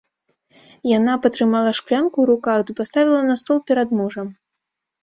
Яна патрымала шклянку ў руках ды паставіла на стол перад мужам.